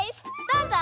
どうぞ！